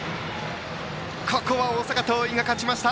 ここは大阪桐蔭が勝ちました。